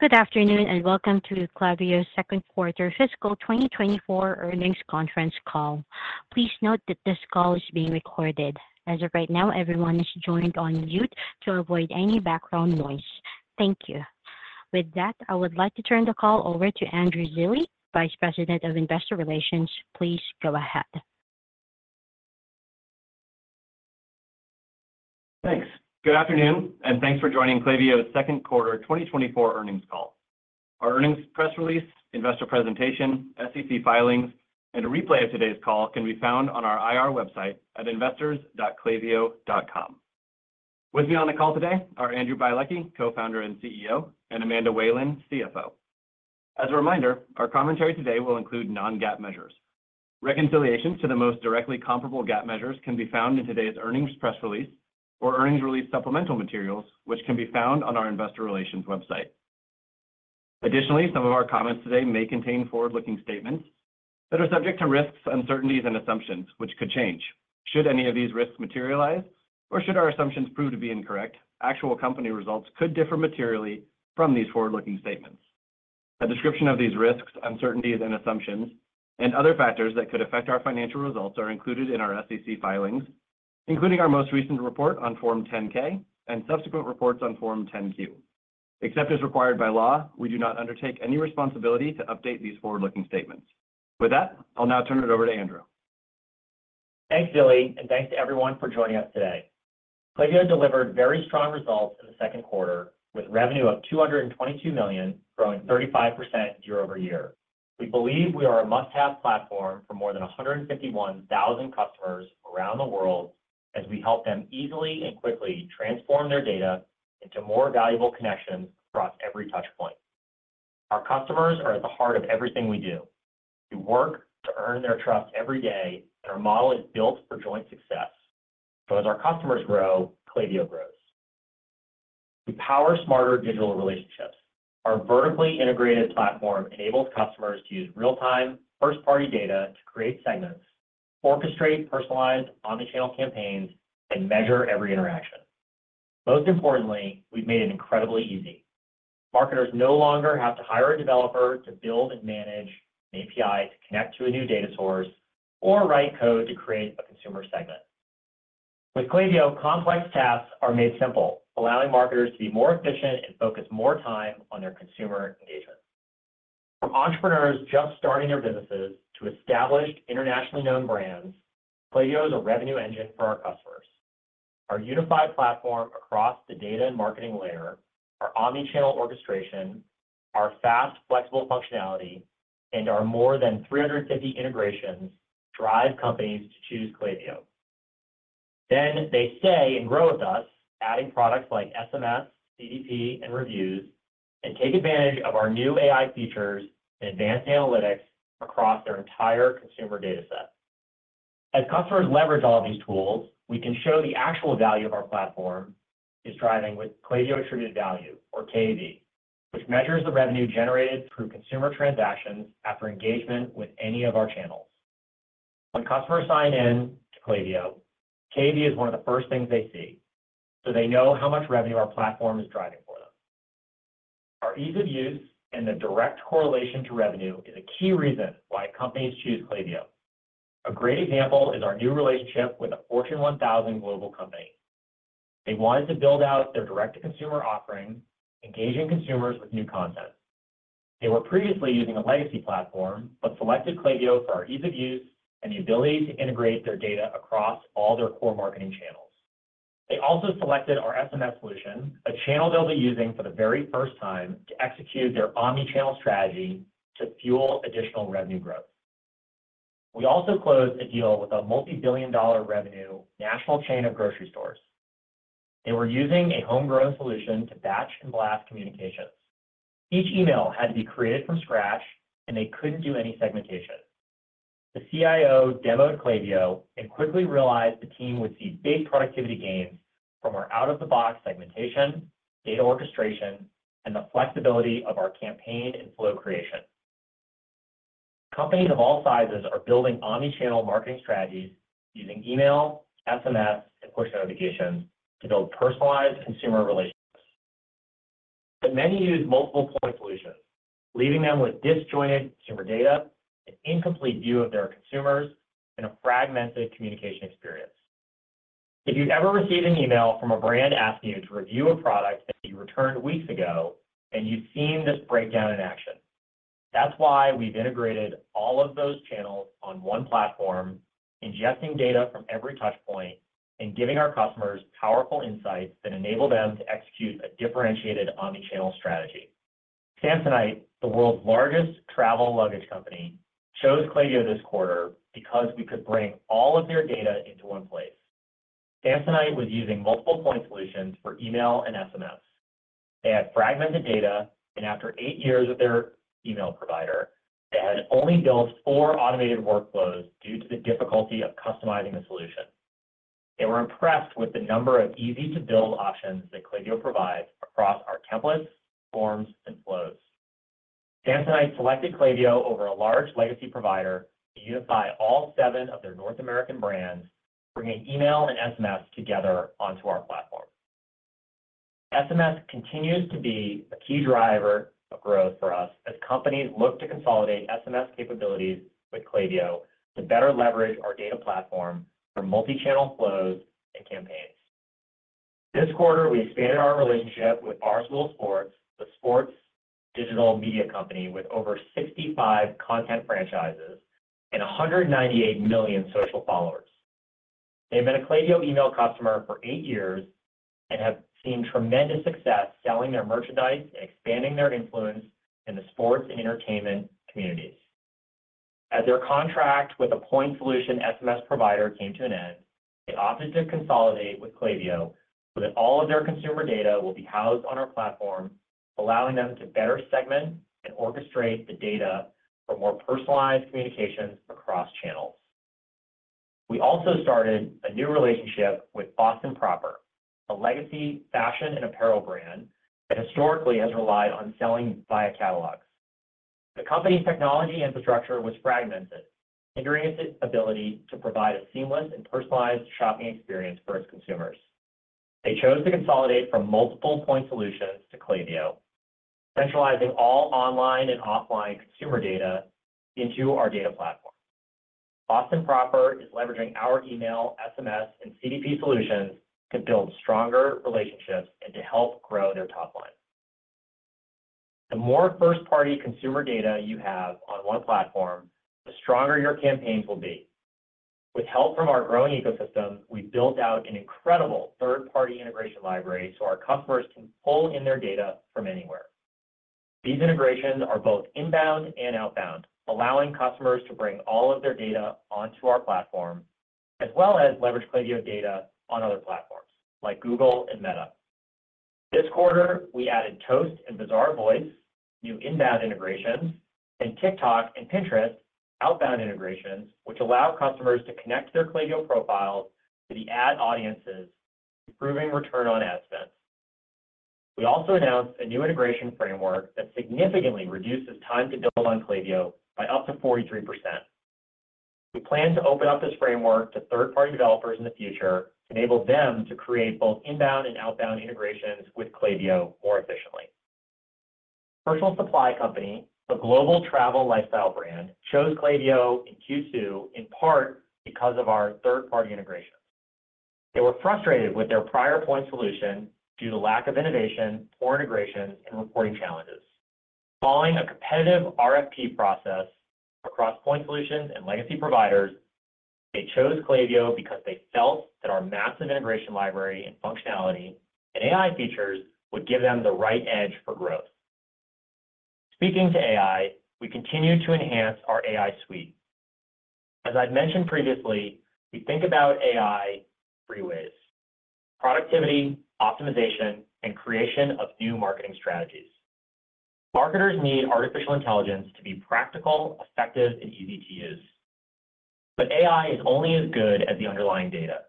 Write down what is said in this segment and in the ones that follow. Good afternoon, and welcome to Klaviyo's second quarter fiscal 2024 earnings conference call. Please note that this call is being recorded. As of right now, everyone is joined on mute to avoid any background noise. Thank you. With that, I would like to turn the call over to Andrew Zilli, Vice President of Investor Relations. Please go ahead. Thanks. Good afternoon, and thanks for joining Klaviyo's second quarter 2024 earnings call. Our earnings press release, investor presentation, SEC filings, and a replay of today's call can be found on our IR website at investors.klaviyo.com. With me on the call today are Andrew Bialecki, Co-founder and CEO, and Amanda Whalen, CFO. As a reminder, our commentary today will include non-GAAP measures. Reconciliation to the most directly comparable GAAP measures can be found in today's earnings press release or earnings release supplemental materials, which can be found on our investor relations website. Additionally, some of our comments today may contain forward-looking statements that are subject to risks, uncertainties, and assumptions, which could change. Should any of these risks materialize, or should our assumptions prove to be incorrect, actual company results could differ materially from these forward-looking statements. A description of these risks, uncertainties, and assumptions, and other factors that could affect our financial results are included in our SEC filings, including our most recent report on Form 10-K and subsequent reports on Form 10-Q. Except as required by law, we do not undertake any responsibility to update these forward-looking statements. With that, I'll now turn it over to Andrew. Thanks, Zilli, and thanks to everyone for joining us today. Klaviyo delivered very strong results in the second quarter, with revenue of $222 million, growing 35% year-over-year. We believe we are a must-have platform for more than 151,000 customers around the world as we help them easily and quickly transform their data into more valuable connections across every touchpoint. Our customers are at the heart of everything we do. We work to earn their trust every day, and our model is built for joint success. So as our customers grow, Klaviyo grows. We power smarter digital relationships. Our vertically integrated platform enables customers to use real-time, first-party data to create segments, orchestrate personalized omni-channel campaigns, and measure every interaction. Most importantly, we've made it incredibly easy. Marketers no longer have to hire a developer to build and manage an API to connect to a new data source or write code to create a consumer segment. With Klaviyo, complex tasks are made simple, allowing marketers to be more efficient and focus more time on their consumer engagement. From entrepreneurs just starting their businesses to established, internationally known brands, Klaviyo is a revenue engine for our customers. Our unified platform across the data and marketing layer, our omni-channel orchestration, our fast, flexible functionality, and our more than 350 integrations drive companies to choose Klaviyo. Then they stay and grow with us, adding products like SMS, CDP, and reviews, and take advantage of our new AI features and advanced analytics across their entire consumer data set. As customers leverage all of these tools, we can show the actual value of our platform is driving with Klaviyo Attributed Value, or KAV, which measures the revenue generated through consumer transactions after engagement with any of our channels. When customers sign in to Klaviyo, KAV is one of the first things they see, so they know how much revenue our platform is driving for them. Our ease of use and the direct correlation to revenue is a key reason why companies choose Klaviyo. A great example is our new relationship with a Fortune 1000 global company. They wanted to build out their direct-to-consumer offerings, engaging consumers with new content. They were previously using a legacy platform, but selected Klaviyo for our ease of use and the ability to integrate their data across all their core marketing channels. They also selected our SMS solution, a channel they'll be using for the very first time, to execute their omni-channel strategy to fuel additional revenue growth. We also closed a deal with a multi-billion dollar revenue national chain of grocery stores. They were using a homegrown solution to batch and blast communications. Each email had to be created from scratch, and they couldn't do any segmentation. The CIO demoed Klaviyo and quickly realized the team would see big productivity gains from our out-of-the-box segmentation, data orchestration, and the flexibility of our campaign and flow creation. Companies of all sizes are building omni-channel marketing strategies using email, SMS, and push notifications to build personalized consumer relationships. But many use multiple point solutions, leaving them with disjointed consumer data, an incomplete view of their consumers, and a fragmented communication experience. If you've ever received an email from a brand asking you to review a product that you returned weeks ago, then you've seen this breakdown in action. That's why we've integrated all of those channels on one platform, ingesting data from every touchpoint and giving our customers powerful insights that enable them to execute a differentiated omni-channel strategy. Samsonite, the world's largest travel luggage company, chose Klaviyo this quarter because we could bring all of their data into one place. Samsonite was using multiple point solutions for email and SMS. They had fragmented data, and after eight years with their email provider, they had only built four automated workflows due to the difficulty of customizing the solution. They were impressed with the number of easy-to-build options that Klaviyo provides across our templates, forms, and flows.... Samsonite selected Klaviyo over a large legacy provider to unify all seven of their North American brands, bringing email and SMS together onto our platform. SMS continues to be a key driver of growth for us as companies look to consolidate SMS capabilities with Klaviyo to better leverage our data platform for multi-channel flows and campaigns. This quarter, we expanded our relationship with Barstool Sports, the sports digital media company, with over 65 content franchises and 198 million social followers. They've been a Klaviyo email customer for 8 years and have seen tremendous success selling their merchandise and expanding their influence in the sports and entertainment communities. As their contract with a point solution SMS provider came to an end, they opted to consolidate with Klaviyo, so that all of their consumer data will be housed on our platform, allowing them to better segment and orchestrate the data for more personalized communications across channels. We also started a new relationship with Boston Proper, a legacy fashion and apparel brand that historically has relied on selling via catalogs. The company's technology infrastructure was fragmented, hindering its ability to provide a seamless and personalized shopping experience for its consumers. They chose to consolidate from multiple point solutions to Klaviyo, centralizing all online and offline consumer data into our data platform. Boston Proper is leveraging our email, SMS, and CDP solutions to build stronger relationships and to help grow their top line. The more first-party consumer data you have on one platform, the stronger your campaigns will be. With help from our growing ecosystem, we built out an incredible third-party integration library, so our customers can pull in their data from anywhere. These integrations are both inbound and outbound, allowing customers to bring all of their data onto our platform, as well as leverage Klaviyo data on other platforms like Google and Meta. This quarter, we added Toast and Bazaarvoice, new inbound integrations, and TikTok and Pinterest, outbound integrations, which allow customers to connect their Klaviyo profiles to the ad audiences, improving return on ad spend. We also announced a new integration framework that significantly reduces time to build on Klaviyo by up to 43%. We plan to open up this framework to third-party developers in the future to enable them to create both inbound and outbound integrations with Klaviyo more efficiently. Herschel Supply Co., a global travel lifestyle brand, chose Klaviyo in Q2, in part, because of our third-party integrations. They were frustrated with their prior point solution due to lack of innovation, poor integration, and reporting challenges. Following a competitive RFP process across point solutions and legacy providers, they chose Klaviyo because they felt that our massive integration library and functionality and AI features would give them the right edge for growth. Speaking to AI, we continue to enhance our AI suite. As I've mentioned previously, we think about AI three ways: productivity, optimization, and creation of new marketing strategies. Marketers need artificial intelligence to be practical, effective, and easy to use. But AI is only as good as the underlying data.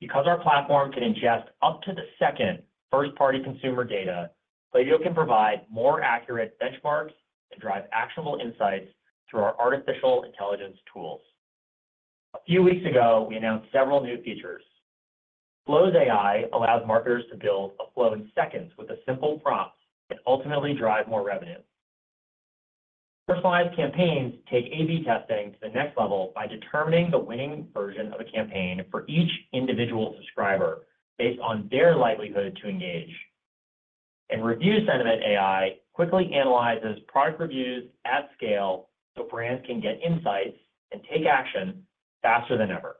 Because our platform can ingest up to the second first-party consumer data, Klaviyo can provide more accurate benchmarks and drive actionable insights through our artificial intelligence tools. A few weeks ago, we announced several new features. Flows AI allows marketers to build a flow in seconds with a simple prompt and ultimately drive more revenue. Personalized Campaigns take A/B testing to the next level by determining the winning version of a campaign for each individual subscriber based on their likelihood to engage. Review Sentiment AI quickly analyzes product reviews at scale, so brands can get insights and take action faster than ever.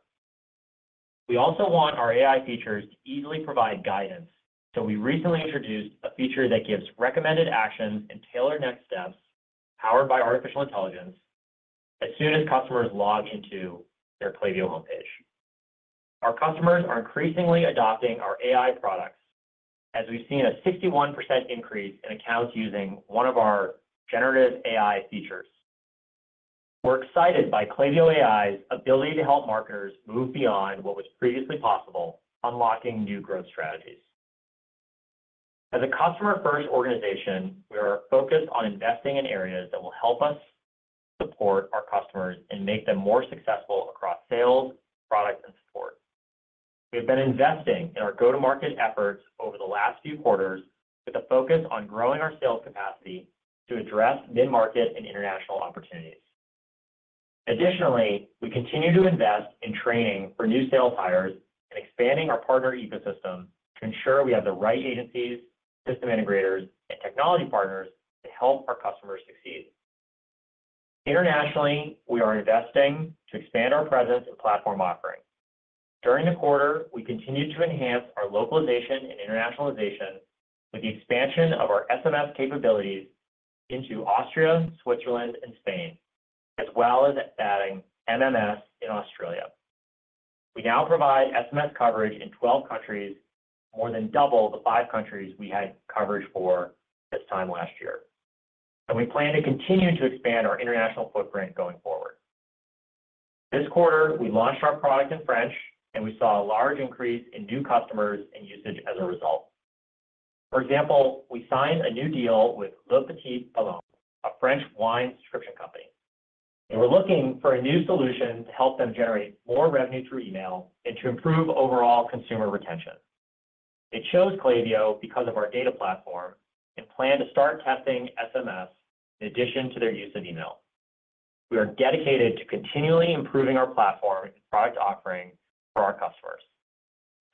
We also want our AI features to easily provide guidance, so we recently introduced a feature that gives recommended actions and tailored next steps, powered by artificial intelligence, as soon as customers log into their Klaviyo homepage. Our customers are increasingly adopting our AI products, as we've seen a 61% increase in accounts using one of our generative AI features. We're excited by Klaviyo AI's ability to help marketers move beyond what was previously possible, unlocking new growth strategies. As a customer-first organization, we are focused on investing in areas that will help us support our customers and make them more successful across sales, product, and support. We've been investing in our go-to-market efforts over the last few quarters with a focus on growing our sales capacity to address mid-market and international opportunities. Additionally, we continue to invest in training for new sales hires and expanding our partner ecosystem to ensure we have the right agencies, system integrators, and technology partners to help our customers succeed. Internationally, we are investing to expand our presence and platform offering. During the quarter, we continued to enhance our localization and internationalization with the expansion of our SMS capabilities into Austria, Switzerland, and Spain, as well as adding MMS in Australia. We now provide SMS coverage in 12 countries, more than double the 5 countries we had coverage for this time last year, and we plan to continue to expand our international footprint going forward. This quarter, we launched our product in French, and we saw a large increase in new customers and usage as a result. For example, we signed a new deal with Le Petit Ballon, a French wine subscription company. They were looking for a new solution to help them generate more revenue through email and to improve overall consumer retention. They chose Klaviyo because of our data platform and plan to start testing SMS in addition to their use of email. We are dedicated to continually improving our platform and product offering for our customers.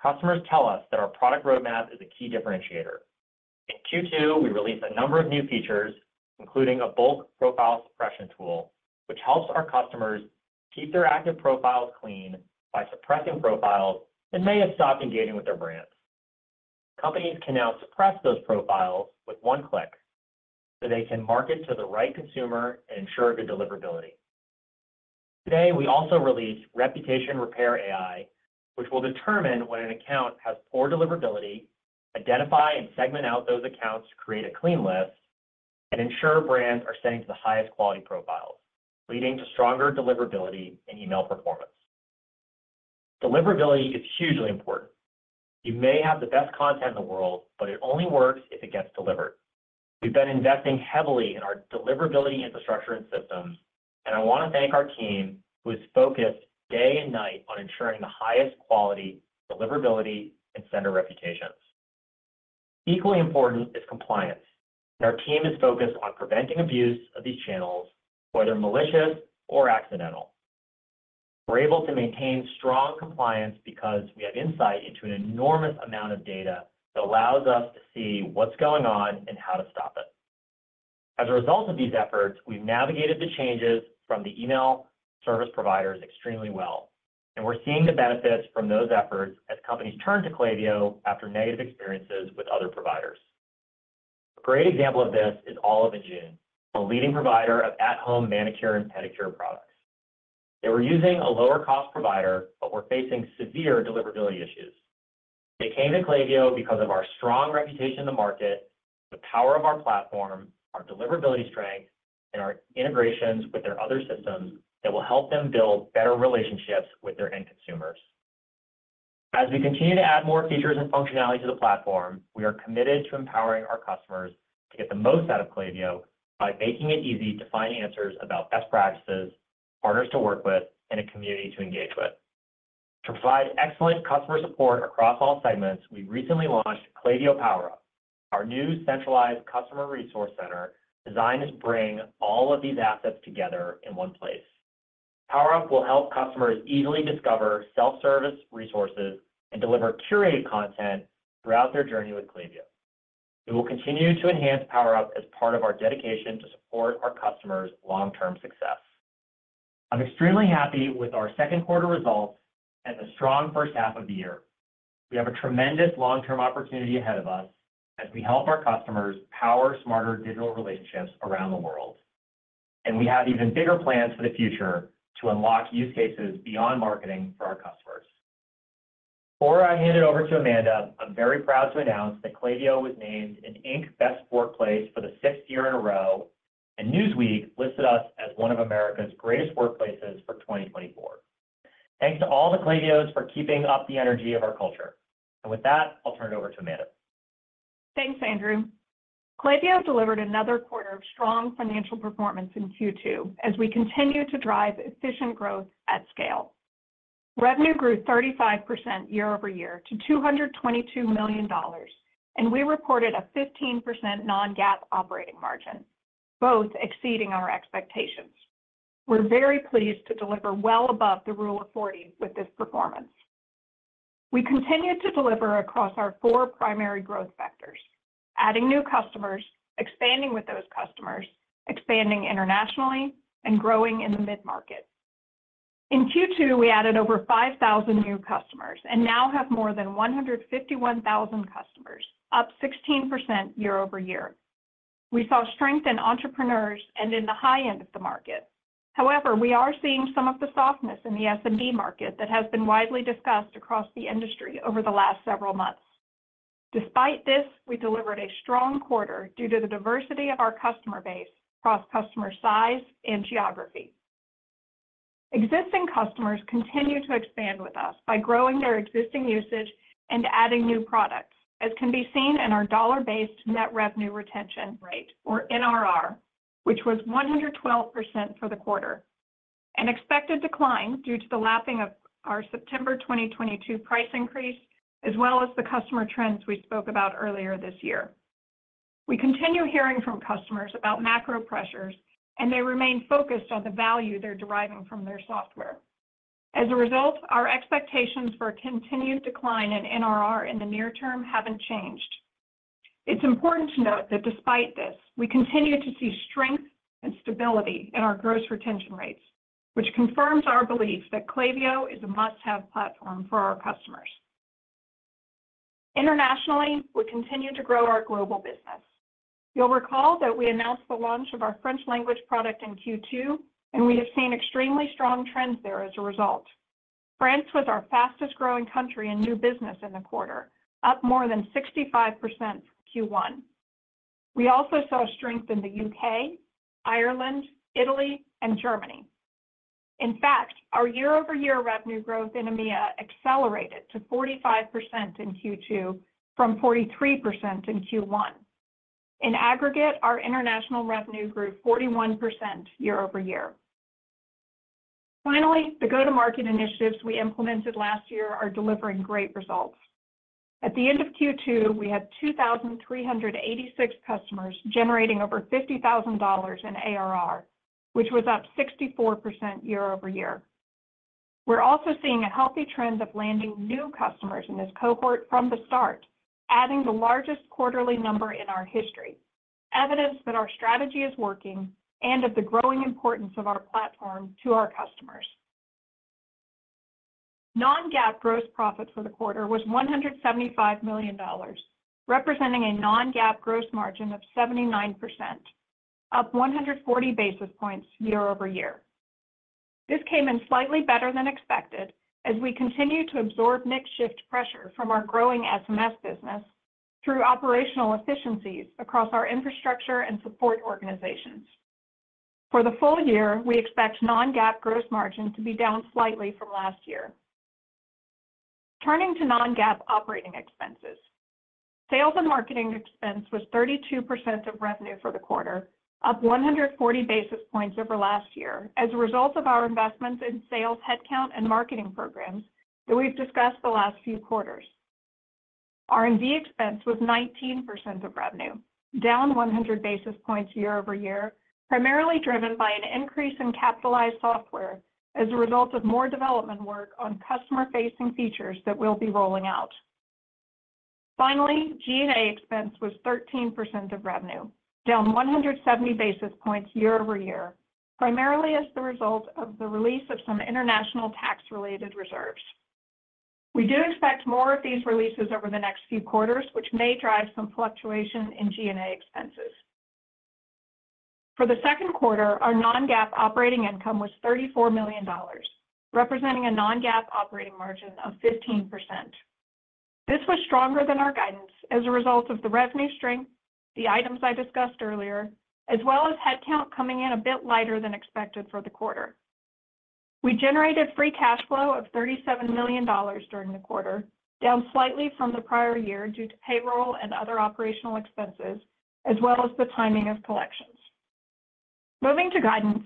Customers tell us that our product roadmap is a key differentiator. In Q2, we released a number of new features, including a bulk profile suppression tool, which helps our customers keep their active profiles clean by suppressing profiles that may have stopped engaging with their brands. Companies can now suppress those profiles with one click, so they can market to the right consumer and ensure good deliverability. Today, we also released Reputation Repair AI, which will determine when an account has poor deliverability, identify and segment out those accounts to create a clean list, and ensure brands are sending to the highest quality profiles, leading to stronger deliverability and email performance. Deliverability is hugely important. You may have the best content in the world, but it only works if it gets delivered. We've been investing heavily in our deliverability infrastructure and systems, and I want to thank our team, who is focused day and night on ensuring the highest quality, deliverability, and sender reputations. Equally important is compliance, and our team is focused on preventing abuse of these channels, whether malicious or accidental. We're able to maintain strong compliance because we have insight into an enormous amount of data that allows us to see what's going on and how to stop it. As a result of these efforts, we've navigated the changes from the email service providers extremely well, and we're seeing the benefits from those efforts as companies turn to Klaviyo after negative experiences with other providers. A great example of this is Olive & June, a leading provider of at-home manicure and pedicure products. They were using a lower-cost provider but were facing severe deliverability issues. They came to Klaviyo because of our strong reputation in the market, the power of our platform, our deliverability strength, and our integrations with their other systems that will help them build better relationships with their end consumers. As we continue to add more features and functionality to the platform, we are committed to empowering our customers to get the most out of Klaviyo by making it easy to find answers about best practices, partners to work with, and a community to engage with. To provide excellent customer support across all segments, we recently launched Klaviyo Power Up, our new centralized customer resource center, designed to bring all of these assets together in one place. Power Up will help customers easily discover self-service resources and deliver curated content throughout their journey with Klaviyo. We will continue to enhance Power Up as part of our dedication to support our customers' long-term success. I'm extremely happy with our second quarter results and the strong first half of the year. We have a tremendous long-term opportunity ahead of us as we help our customers power smarter digital relationships around the world, and we have even bigger plans for the future to unlock use cases beyond marketing for our customers. Before I hand it over to Amanda, I'm very proud to announce that Klaviyo was named an Inc. Best Workplace for the sixth year in a row, and Newsweek listed us as one of America's Greatest Workplaces for 2024. Thanks to all the Klaviyos for keeping up the energy of our culture. And with that, I'll turn it over to Amanda. Thanks, Andrew. Klaviyo delivered another quarter of strong financial performance in Q2 as we continue to drive efficient growth at scale. Revenue grew 35% year-over-year to $222 million, and we reported a 15% non-GAAP operating margin, both exceeding our expectations. We're very pleased to deliver well above the rule of 40 with this performance. We continued to deliver across our four primary growth vectors: adding new customers, expanding with those customers, expanding internationally, and growing in the mid-market. In Q2, we added over 5,000 new customers and now have more than 151,000 customers, up 16% year-over-year. We saw strength in entrepreneurs and in the high end of the market. However, we are seeing some of the softness in the SMB market that has been widely discussed across the industry over the last several months. Despite this, we delivered a strong quarter due to the diversity of our customer base across customer size and geography. Existing customers continue to expand with us by growing their existing usage and adding new products, as can be seen in our dollar-based net revenue retention rate, or NRR, which was 112% for the quarter, an expected decline due to the lapping of our September 2022 price increase, as well as the customer trends we spoke about earlier this year. We continue hearing from customers about macro pressures, and they remain focused on the value they're deriving from their software. As a result, our expectations for a continued decline in NRR in the near term haven't changed. It's important to note that despite this, we continue to see strength and stability in our gross retention rates, which confirms our belief that Klaviyo is a must-have platform for our customers. Internationally, we continue to grow our global business. You'll recall that we announced the launch of our French language product in Q2, and we have seen extremely strong trends there as a result. France was our fastest-growing country in new business in the quarter, up more than 65% Q1. We also saw strength in the U.K., Ireland, Italy, and Germany. In fact, our year-over-year revenue growth in EMEA accelerated to 45% in Q2 from 43% in Q1. In aggregate, our international revenue grew 41% year-over-year. Finally, the go-to-market initiatives we implemented last year are delivering great results. At the end of Q2, we had 2,386 customers generating over $50,000 in ARR, which was up 64% year-over-year. We're also seeing a healthy trend of landing new customers in this cohort from the start, adding the largest quarterly number in our history, evidence that our strategy is working and of the growing importance of our platform to our customers. Non-GAAP gross profit for the quarter was $175 million, representing a non-GAAP gross margin of 79%, up 140 basis points year-over-year. This came in slightly better than expected as we continue to absorb mix shift pressure from our growing SMS business through operational efficiencies across our infrastructure and support organizations. For the full year, we expect non-GAAP gross margin to be down slightly from last year. Turning to non-GAAP operating expenses. Sales and marketing expense was 32% of revenue for the quarter, up 140 basis points over last year as a result of our investments in sales, headcount, and marketing programs that we've discussed the last few quarters. R&D expense was 19% of revenue, down 100 basis points year over year, primarily driven by an increase in capitalized software as a result of more development work on customer-facing features that we'll be rolling out. Finally, G&A expense was 13% of revenue, down 170 basis points year over year, primarily as the result of the release of some international tax-related reserves. We do expect more of these releases over the next few quarters, which may drive some fluctuation in G&A expenses. For the second quarter, our non-GAAP operating income was $34 million, representing a non-GAAP operating margin of 15%. This was stronger than our guidance as a result of the revenue strength, the items I discussed earlier, as well as headcount coming in a bit lighter than expected for the quarter. We generated free cash flow of $37 million during the quarter, down slightly from the prior year due to payroll and other operational expenses, as well as the timing of collections. Moving to guidance.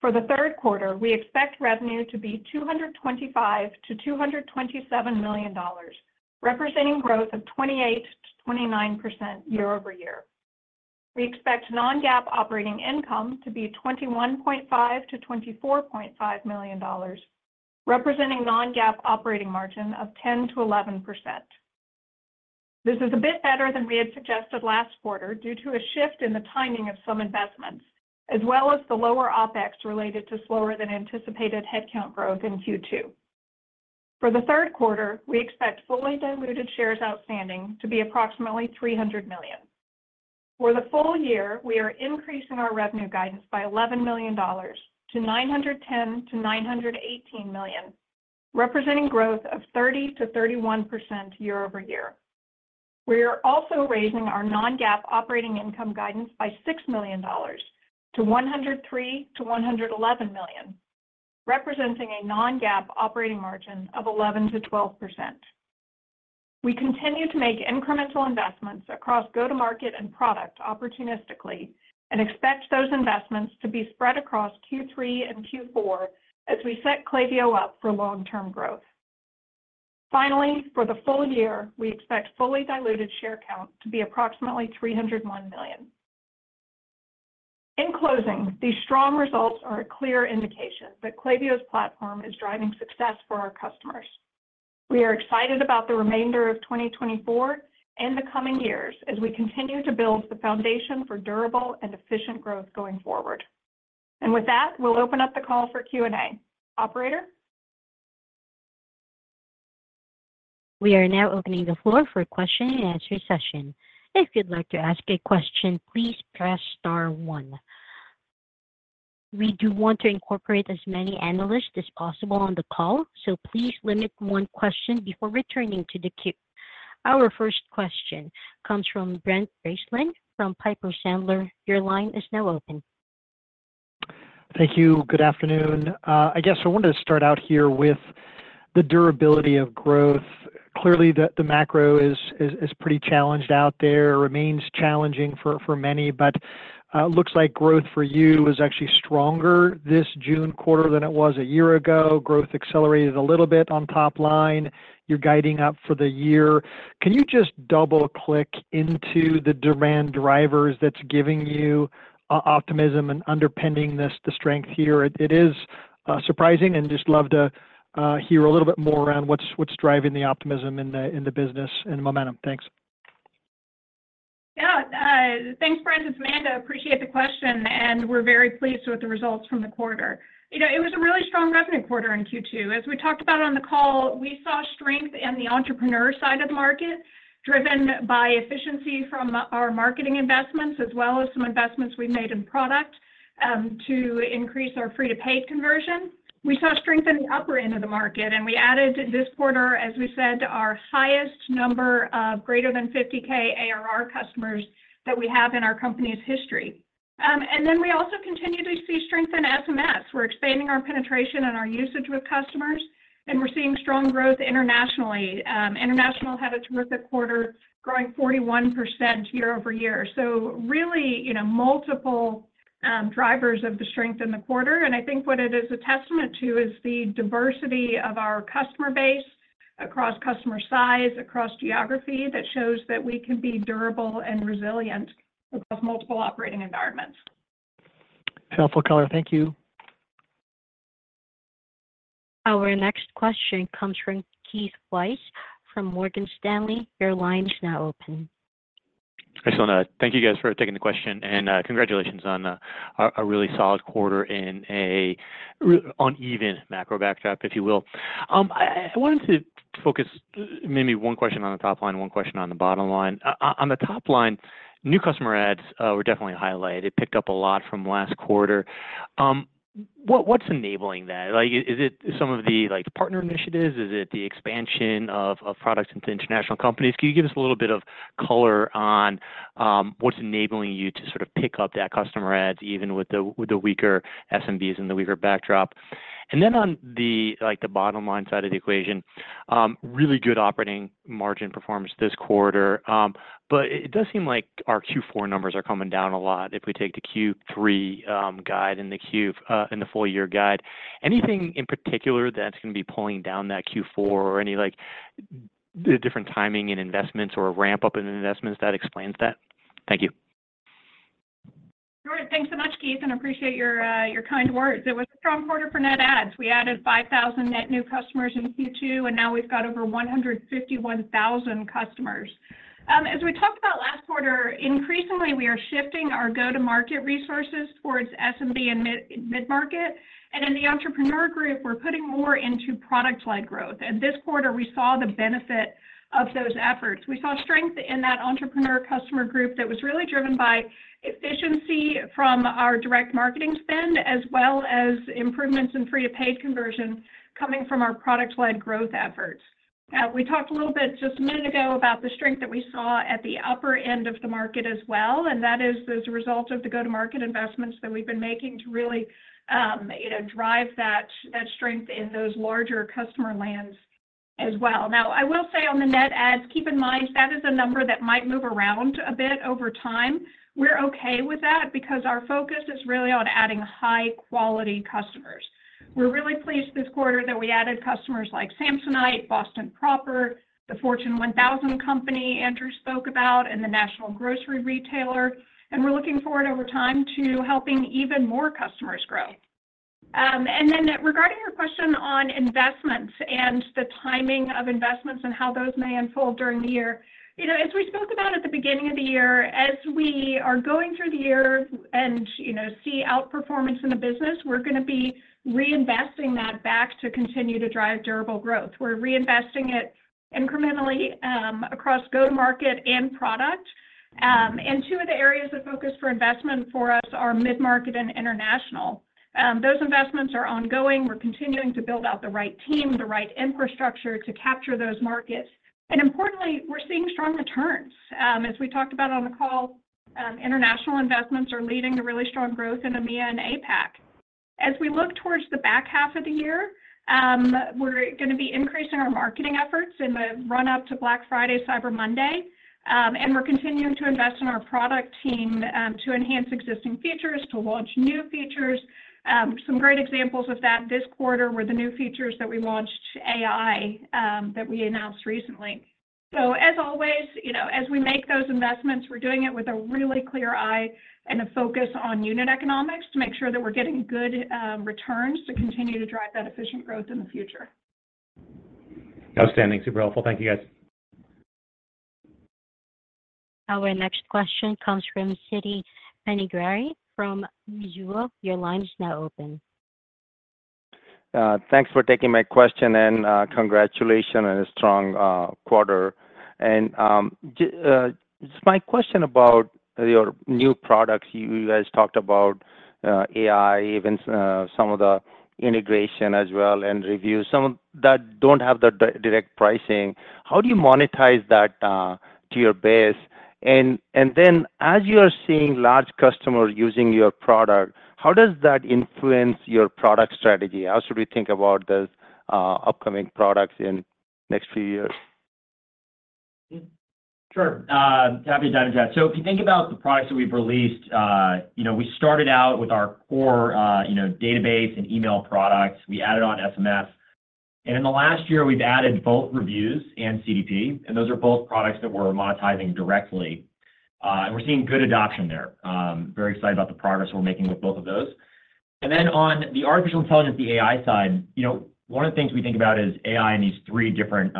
For the third quarter, we expect revenue to be $225 million-$227 million, representing growth of 28%-29% year over year. We expect non-GAAP operating income to be $21.5 million-$24.5 million, representing non-GAAP operating margin of 10%-11%. This is a bit better than we had suggested last quarter, due to a shift in the timing of some investments, as well as the lower OpEx related to slower than anticipated headcount growth in Q2. For the third quarter, we expect fully diluted shares outstanding to be approximately 300 million. For the full year, we are increasing our revenue guidance by $11 million-$910 million-$918 million, representing growth of 30%-31% year-over-year. We are also raising our non-GAAP operating income guidance by $6 million to $103 million-$111 million, representing a non-GAAP operating margin of 11%-12%. We continue to make incremental investments across go-to-market and product opportunistically, and expect those investments to be spread across Q3 and Q4 as we set Klaviyo up for long-term growth. Finally, for the full year, we expect fully diluted share count to be approximately 301 million. In closing, these strong results are a clear indication that Klaviyo's platform is driving success for our customers. We are excited about the remainder of 2024 and the coming years as we continue to build the foundation for durable and efficient growth going forward. And with that, we'll open up the call for Q&A. Operator? We are now opening the floor for a question and answer session. If you'd like to ask a question, please press star one. We do want to incorporate as many analysts as possible on the call, so please limit one question before returning to the queue. Our first question comes from Brent Bracelin from Piper Sandler. Your line is now open. Thank you. Good afternoon. I guess I wanted to start out here with the durability of growth. Clearly, the macro is pretty challenged out there, remains challenging for many, but looks like growth for you is actually stronger this June quarter than it was a year ago. Growth accelerated a little bit on top line. You're guiding up for the year. Can you just double-click into the demand drivers that's giving you optimism and underpinning this, the strength here? It is surprising and just love to hear a little bit more around what's driving the optimism in the business and the momentum. Thanks. Yeah. Thanks, Brent. It's Amanda. Appreciate the question, and we're very pleased with the results from the quarter. You know, it was a really strong revenue quarter in Q2. As we talked about on the call, we saw strength in the entrepreneur side of the market, driven by efficiency from our marketing investments, as well as some investments we've made in product to increase our free-to-paid conversion. We saw strength in the upper end of the market, and we added this quarter, as we said, our highest number of greater than 50K ARR customers that we have in our company's history. And then we also continue to see strength in SMS. We're expanding our penetration and our usage with customers, and we're seeing strong growth internationally. International had a terrific quarter, growing 41% year-over-year. Really, you know, multiple drivers of the strength in the quarter, and I think what it is a testament to is the diversity of our customer base across customer size, across geography, that shows that we can be durable and resilient across multiple operating environments. Helpful color. Thank you. Our next question comes from Keith Weiss, from Morgan Stanley. Your line is now open. Hi, So. Thank you guys for taking the question, and congratulations on a really solid quarter in a really uneven macro backdrop, if you will. I wanted to focus maybe one question on the top line, one question on the bottom line. On the top line, new customer adds were definitely highlighted. Picked up a lot from last quarter. What's enabling that? Like, is it some of the, like, partner initiatives? Is it the expansion of products into international companies? Can you give us a little bit of color on, what's enabling you to sort of pick up that customer adds, even with the, with the weaker SMBs and the weaker backdrop? And then on the, like, the bottom line side of the equation, really good operating margin performance this quarter. But it does seem like our Q4 numbers are coming down a lot if we take the Q3 guide and the Q and the full year guide. Anything in particular that's going to be pulling down that Q4 or any, like, different timing in investments or ramp-up in investments that explains that? Thank you. Sure. Thanks so much, Keith, and appreciate your kind words. It was a strong quarter for net adds. We added 5,000 net new customers in Q2, and now we've got over 151,000 customers. As we talked about last quarter, increasingly, we are shifting our go-to-market resources towards SMB and mid-market. In the enterprise group, we're putting more into product-led growth, and this quarter, we saw the benefit of those efforts. We saw strength in that enterprise customer group that was really driven by efficiency from our direct marketing spend, as well as improvements in free-to-paid conversion coming from our product-led growth efforts. We talked a little bit just a minute ago about the strength that we saw at the upper end of the market as well, and that is as a result of the go-to-market investments that we've been making to really, you know, drive that, that strength in those larger customer lands as well. Now, I will say on the net ads, keep in mind, that is a number that might move around a bit over time. We're okay with that because our focus is really on adding high-quality customers. We're really pleased this quarter that we added customers like Samsonite, Boston Proper, the Fortune 1000 company Andrew spoke about, and the national grocery retailer, and we're looking forward over time to helping even more customers grow. And then, regarding your question on investments and the timing of investments and how those may unfold during the year, you know, as we spoke about at the beginning of the year, as we are going through the year and, you know, see outperformance in the business, we're gonna be reinvesting that back to continue to drive durable growth. We're reinvesting it incrementally, across go-to-market and product. And two of the areas of focus for investment for us are mid-market and international. Those investments are ongoing. We're continuing to build out the right team, the right infrastructure to capture those markets. And importantly, we're seeing strong returns. As we talked about on the call, international investments are leading to really strong growth in EMEA and APAC. As we look towards the back half of the year, we're gonna be increasing our marketing efforts in the run-up to Black Friday, Cyber Monday, and we're continuing to invest in our product team, to enhance existing features, to launch new features. Some great examples of that this quarter were the new features that we launched, AI, that we announced recently. So as always, you know, as we make those investments, we're doing it with a really clear eye and a focus on unit economics to make sure that we're getting good, returns to continue to drive that efficient growth in the future. Outstanding. Super helpful. Thank you, guys. Our next question comes from Siti Panigrahi from Mizuho. Your line is now open. Thanks for taking my question, and congratulation on a strong quarter. My question about your new products. You guys talked about AI, even some of the integration as well, and reviews, some of that don't have the direct pricing. How do you monetize that to your base? And then as you are seeing large customers using your product, how does that influence your product strategy? How should we think about those upcoming products in next few years? Sure, happy to dive into that. So if you think about the products that we've released, you know, we started out with our core, you know, database and email products. We added on SMS, and in the last year, we've added both Reviews and CDP, and those are both products that we're monetizing directly. And we're seeing good adoption there. Very excited about the progress we're making with both of those. And then on the artificial intelligence, the AI side, you know, one of the things we think about is AI in these three different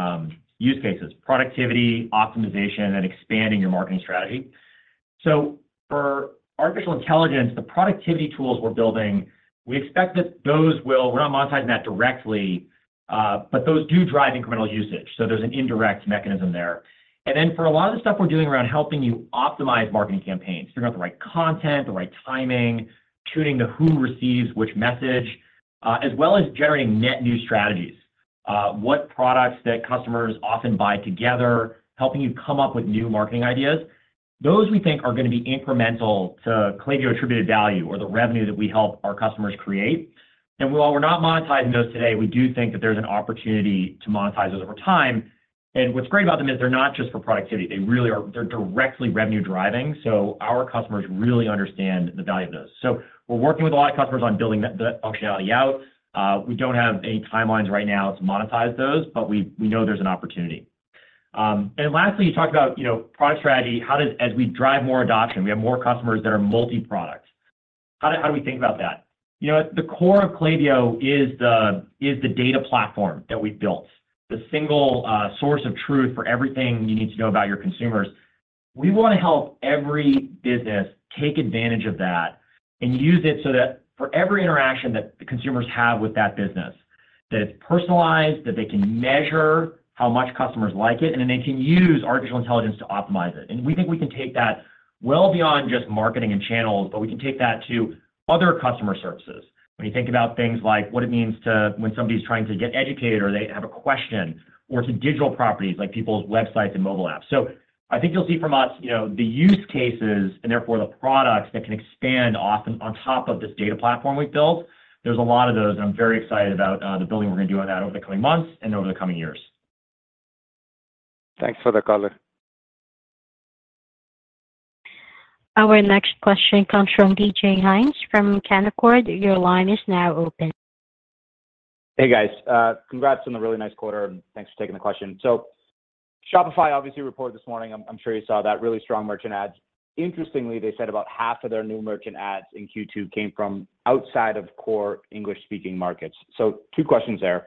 use cases: productivity, optimization, and expanding your marketing strategy. So for artificial intelligence, the productivity tools we're building, we expect that those will... We're not monetizing that directly, but those do drive incremental usage, so there's an indirect mechanism there. And then for a lot of the stuff we're doing around helping you optimize marketing campaigns, figure out the right content, the right timing, tuning to who receives which message, as well as generating net new strategies... what products that customers often buy together, helping you come up with new marketing ideas. Those we think are going to be incremental to Klaviyo attributed value or the revenue that we help our customers create. And while we're not monetizing those today, we do think that there's an opportunity to monetize those over time. And what's great about them is they're not just for productivity. They really are—they're directly revenue driving, so our customers really understand the value of those. So we're working with a lot of customers on building that, the functionality out. We don't have any timelines right now to monetize those, but we, we know there's an opportunity. And lastly, you talked about, you know, product strategy. How does—as we drive more adoption, we have more customers that are multi-product. How do, how do we think about that? You know, at the core of Klaviyo is the, is the data platform that we built, the single, source of truth for everything you need to know about your consumers. We want to help every business take advantage of that and use it so that for every interaction that the consumers have with that business, that it's personalized, that they can measure how much customers like it, and then they can use artificial intelligence to optimize it. And we think we can take that well beyond just marketing and channels, but we can take that to other customer services. When you think about things like what it means when somebody's trying to get educated or they have a question, or to digital properties, like people's websites and mobile apps. So I think you'll see from us, you know, the use cases, and therefore the products that can expand often on top of this data platform we've built. There's a lot of those, and I'm very excited about the building we're going to do on that over the coming months and over the coming years. Thanks for the call. Our next question comes from DJ Hynes, from Canaccord. Your line is now open. Hey, guys. Congrats on a really nice quarter, and thanks for taking the question. So Shopify obviously reported this morning, I'm sure you saw that, really strong merchant ads. Interestingly, they said about half of their new merchant ads in Q2 came from outside of core English-speaking markets. So two questions there: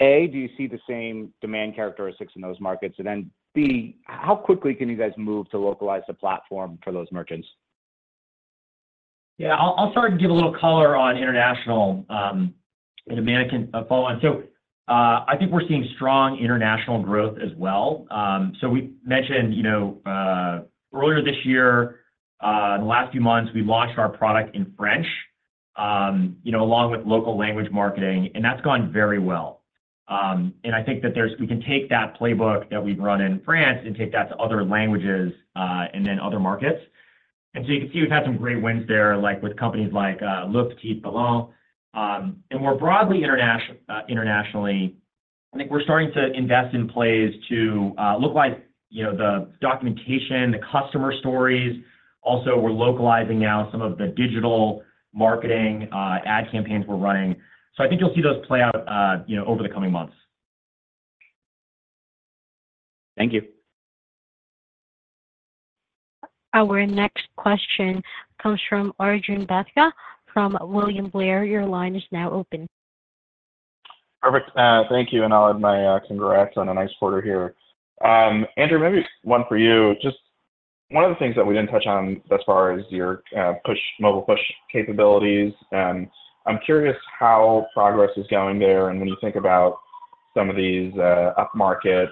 A, do you see the same demand characteristics in those markets? And then, B, how quickly can you guys move to localize the platform for those merchants? Yeah, I'll start to give a little color on international, and Amanda can follow on. So, I think we're seeing strong international growth as well. So we mentioned, you know, earlier this year, in the last few months, we launched our product in French, you know, along with local language marketing, and that's gone very well. And I think that we can take that playbook that we've run in France and take that to other languages, and then other markets. And so you can see we've had some great wins there, like with companies like Le Petit Ballon. And more broadly internationally, I think we're starting to invest in plays to look like, you know, the documentation, the customer stories. Also, we're localizing now some of the digital marketing ad campaigns we're running. So I think you'll see those play out, you know, over the coming months. Thank you. Our next question comes from Arjun Bhatia, from William Blair. Your line is now open. Perfect. Thank you, and I'll add my congrats on a nice quarter here. Andrew, maybe one for you. Just one of the things that we didn't touch on as far as your push, mobile push capabilities, I'm curious how progress is going there. And when you think about some of these upmarket,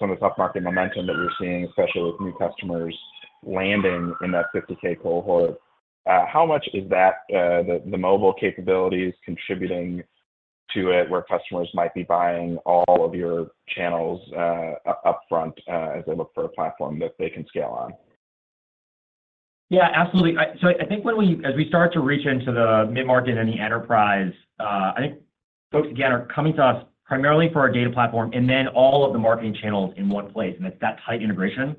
some of the top market momentum that we're seeing, especially with new customers landing in that 50K cohort, how much is that the mobile capabilities contributing to it, where customers might be buying all of your channels up upfront as they look for a platform that they can scale on? Yeah, absolutely. So I think when we start to reach into the mid-market and the enterprise, I think folks, again, are coming to us primarily for our data platform and then all of the marketing channels in one place, and it's that tight integration.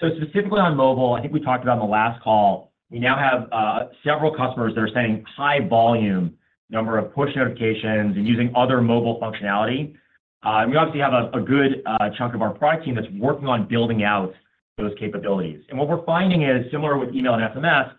So specifically on mobile, I think we talked about on the last call, we now have several customers that are sending high volume number of push notifications and using other mobile functionality. We obviously have a good chunk of our product team that's working on building out those capabilities. And what we're finding is, similar with email and SMS,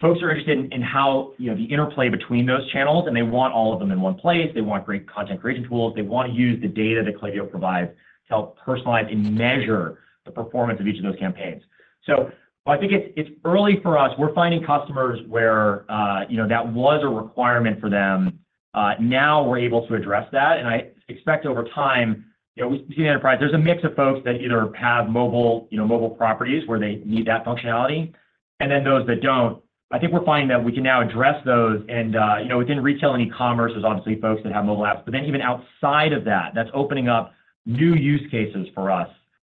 folks are interested in how, you know, the interplay between those channels, and they want all of them in one place. They want great content creation tools. They want to use the data that Klaviyo provides to help personalize and measure the performance of each of those campaigns. So I think it's early for us. We're finding customers where, you know, that was a requirement for them. Now we're able to address that, and I expect over time, you know, we see in enterprise, there's a mix of folks that either have mobile, you know, mobile properties where they need that functionality, and then those that don't. I think we're finding that we can now address those, and, you know, within retail and e-commerce, there's obviously folks that have mobile apps, but then even outside of that, that's opening up new use cases for us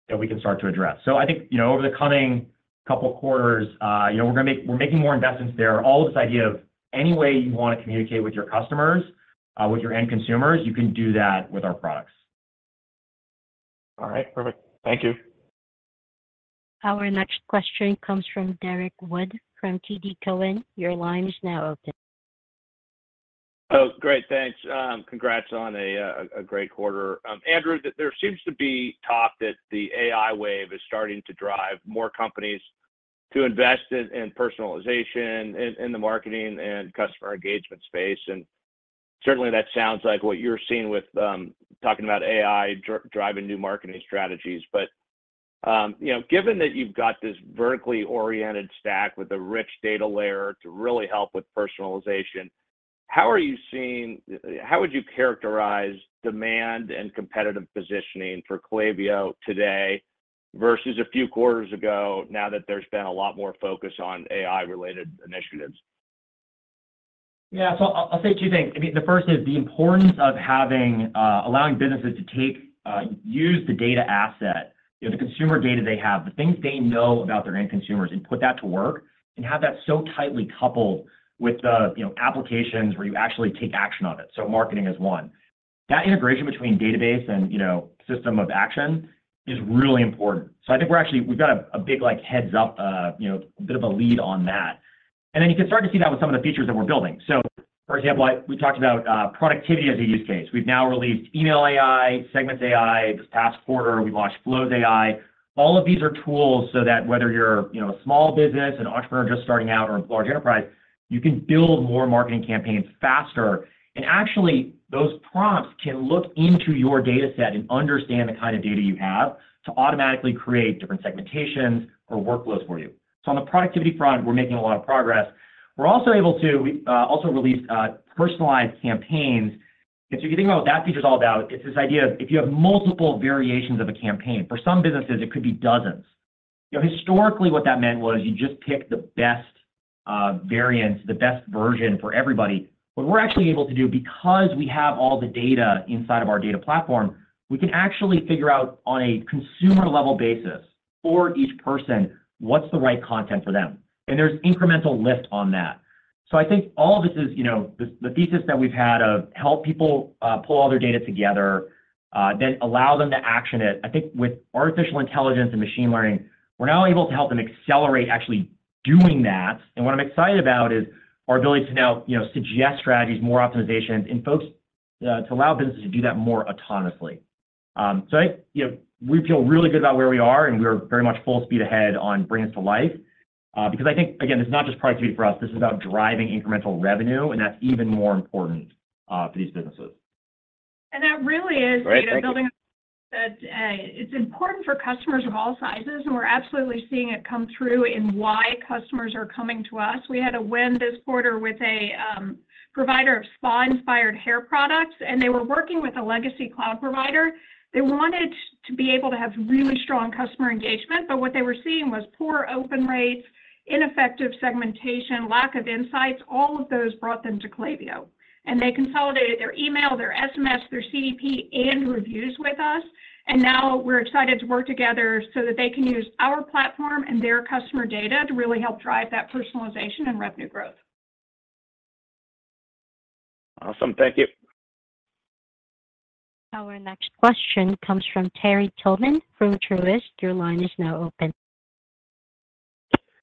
that we can start to address. So I think, you know, over the coming couple of quarters, you know, we're making more investments there. All this idea of any way you want to communicate with your customers, with your end consumers, you can do that with our products. All right, perfect. Thank you. Our next question comes from Derrick Wood, from TD Cowen. Your line is now open. Oh, great, thanks. Congrats on a great quarter. Andrew, there seems to be talk that the AI wave is starting to drive more companies to invest in personalization in the marketing and customer engagement space, and certainly that sounds like what you're seeing with talking about AI driving new marketing strategies. But you know, given that you've got this vertically oriented stack with a rich data layer to really help with personalization, how are you seeing... How would you characterize demand and competitive positioning for Klaviyo today versus a few quarters ago, now that there's been a lot more focus on AI-related initiatives? Yeah, so I'll say two things. I mean, the first is the importance of having, allowing businesses to take, use the data asset, you know, the consumer data they have, the things they know about their end consumers, and put that to work, and have that so tightly coupled with the, you know, applications where you actually take action on it. So marketing is one. That integration between database and, you know, system of action is really important. So I think we're actually, we've got a big, like, heads-up, you know, bit of a lead on that. And then you can start to see that with some of the features that we're building. So for example, like we talked about, productivity as a use case. We've now released Email AI, Segments AI. This past quarter, we launched Flows AI. All of these are tools so that whether you're, you know, a small business, an entrepreneur just starting out or a large enterprise, you can build more marketing campaigns faster. And actually, those prompts can look into your data set and understand the kind of data you have, to automatically create different segmentations or workflows for you. So on the productivity front, we're making a lot of progress. We're also able to release personalized campaigns. And so if you think about what that feature is all about, it's this idea of if you have multiple variations of a campaign, for some businesses, it could be dozens. You know, historically, what that meant was you just pick the best version for everybody. What we're actually able to do, because we have all the data inside of our data platform, we can actually figure out on a consumer-level basis for each person, what's the right content for them? And there's incremental lift on that. So I think all of this is, you know, the thesis that we've had of help people pull all their data together, then allow them to action it. I think with artificial intelligence and machine learning, we're now able to help them accelerate actually doing that. And what I'm excited about is our ability to now, you know, suggest strategies, more optimizations, and folks to allow businesses to do that more autonomously. So I, you know, we feel really good about where we are, and we are very much full speed ahead on bringing this to life. Because I think, again, this is not just productivity for us, this is about driving incremental revenue, and that's even more important for these businesses. And that really is- Great, thank you. Building a... It's important for customers of all sizes, and we're absolutely seeing it come through in why customers are coming to us. We had a win this quarter with a provider of spa-inspired hair products, and they were working with a legacy cloud provider. They wanted to be able to have really strong customer engagement, but what they were seeing was poor open rates, ineffective segmentation, lack of insights. All of those brought them to Klaviyo, and they consolidated their email, their SMS, their CDP, and Reviews with us. And now we're excited to work together so that they can use our platform and their customer data to really help drive that personalization and revenue growth. Awesome. Thank you. Our next question comes from Terry Tillman from Truist. Your line is now open.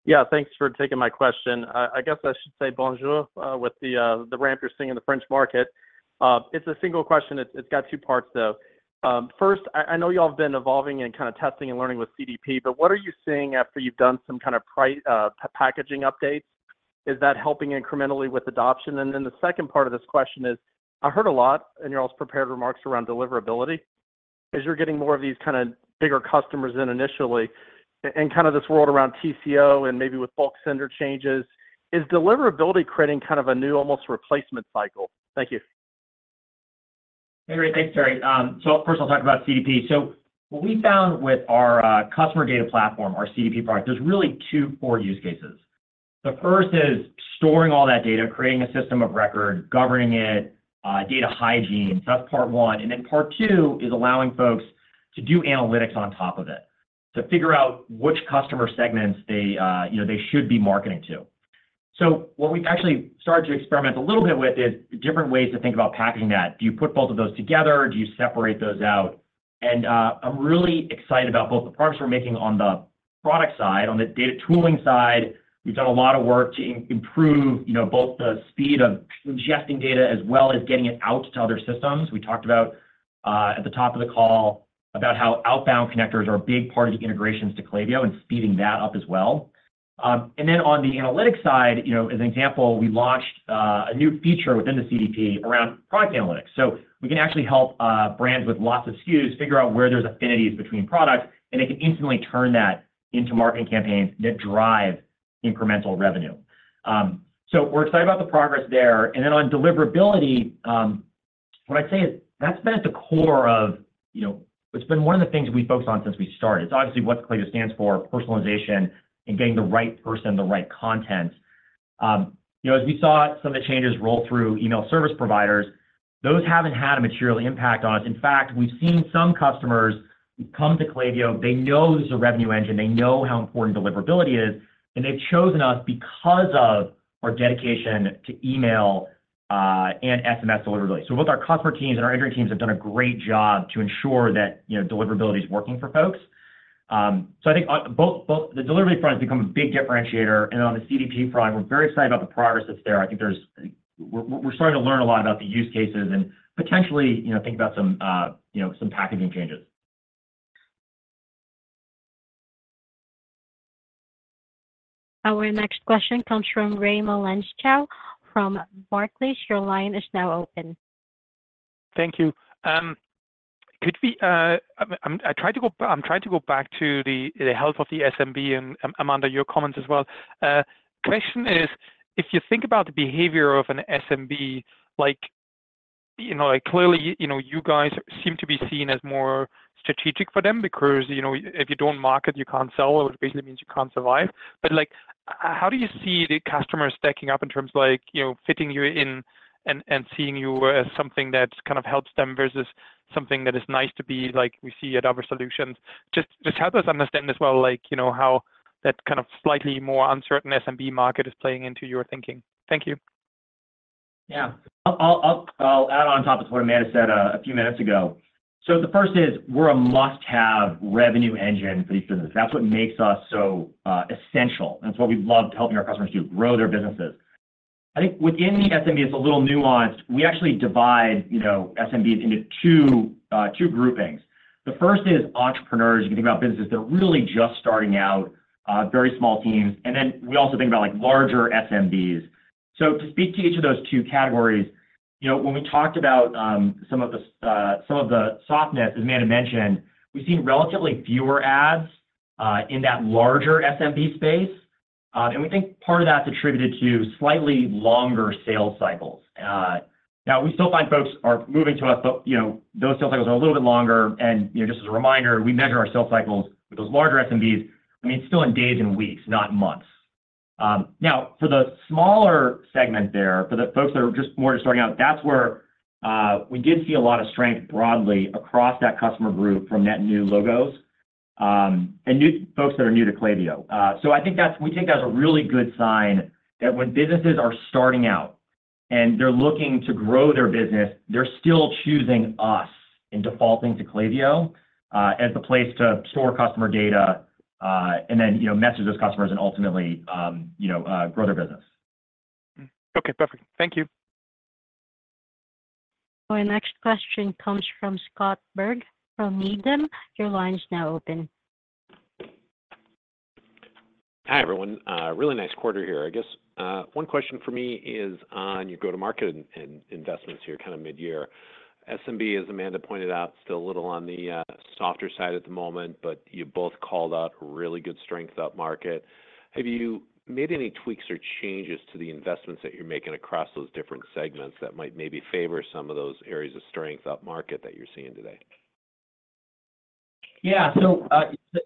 Yeah, thanks for taking my question. I guess I should say bonjour, with the ramp you're seeing in the French market. It's a single question. It's got two parts, though. First, I know you all have been evolving and kind of testing and learning with CDP, but what are you seeing after you've done some kind of price packaging updates? Is that helping incrementally with adoption? And then the second part of this question is, I heard a lot in your all's prepared remarks around deliverability. As you're getting more of these kind of bigger customers in initially, and kind of this world around TCO and maybe with bulk sender changes, is deliverability creating kind of a new almost replacement cycle? Thank you. Hey, great. Thanks, Terry. So first I'll talk about CDP. So what we found with our customer data platform, our CDP product, there's really two core use cases. The first is storing all that data, creating a system of record, governing it, data hygiene. So that's part one, and then part two is allowing folks to do analytics on top of it, to figure out which customer segments they, you know, they should be marketing to. So what we've actually started to experiment a little bit with is different ways to think about packaging that. Do you put both of those together? Do you separate those out? And I'm really excited about both the progress we're making on the product side. On the data tooling side, we've done a lot of work to improve, you know, both the speed of ingesting data as well as getting it out to other systems. We talked about at the top of the call about how outbound connectors are a big part of the integrations to Klaviyo and speeding that up as well. And then on the analytics side, you know, as an example, we launched a new feature within the CDP around product analytics. So we can actually help brands with lots of SKUs figure out where there's affinities between products, and they can instantly turn that into marketing campaigns that drive incremental revenue. So we're excited about the progress there. On deliverability, what I'd say is that's been at the core of, you know, it's been one of the things we've focused on since we started. It's obviously what Klaviyo stands for, personalization and getting the right person the right content. You know, as we saw some of the changes roll through email service providers, those haven't had a material impact on us. In fact, we've seen some customers come to Klaviyo. They know this is a revenue engine, they know how important deliverability is, and they've chosen us because of our dedication to email and SMS deliverability. So both our customer teams and our engineering teams have done a great job to ensure that, you know, deliverability is working for folks. So, I think on both the delivery front has become a big differentiator, and on the CDP front, we're very excited about the progress that's there. I think there's... We're starting to learn a lot about the use cases and potentially, you know, think about some, you know, some packaging changes. Our next question comes from Raimo Lenschow from Barclays. Your line is now open. Thank you. Could we, I tried to go back, I'm trying to go back to the health of the SMB, and Amanda, your comments as well. Question is, if you think about the behavior of an SMB, like-... you know, like clearly, you know, you guys seem to be seen as more strategic for them because, you know, if you don't market, you can't sell, which basically means you can't survive. But like, how do you see the customers stacking up in terms of like, you know, fitting you in and, and seeing you as something that kind of helps them versus something that is nice to be like we see at other solutions? Just, just help us understand as well, like, you know, how that kind of slightly more uncertain SMB market is playing into your thinking. Thank you. Yeah. I'll add on top of what Amanda said a few minutes ago. So the first is, we're a must-have revenue engine for these businesses. That's what makes us so essential, and that's what we love to helping our customers do, grow their businesses. I think within the SMB, it's a little nuanced. We actually divide, you know, SMBs into two groupings. The first is entrepreneurs. You can think about businesses that are really just starting out, very small teams. And then we also think about, like, larger SMBs. So to speak to each of those two categories, you know, when we talked about some of the softness, as Amanda mentioned, we've seen relatively fewer ads in that larger SMB space. And we think part of that's attributed to slightly longer sales cycles. Now, we still find folks are moving to us, but, you know, those sales cycles are a little bit longer, and, you know, just as a reminder, we measure our sales cycles with those larger SMBs, I mean, still in days and weeks, not months. Now, for the smaller segment there, for the folks that are just more just starting out, that's where we did see a lot of strength broadly across that customer group from net new logos, and new folks that are new to Klaviyo. So I think that we think that's a really good sign that when businesses are starting out and they're looking to grow their business, they're still choosing us and defaulting to Klaviyo, as the place to store customer data, and then, you know, message those customers and ultimately, you know, grow their business. Okay, perfect. Thank you. Our next question comes from Scott Berg from Needham. Your line is now open. Hi, everyone. Really nice quarter here, I guess. One question for me is on your go-to-market and, and investments here, kind of mid-year. SMB, as Amanda pointed out, still a little on the, softer side at the moment, but you both called out really good strength up market. Have you made any tweaks or changes to the investments that you're making across those different segments that might maybe favor some of those areas of strength up market that you're seeing today? Yeah. So,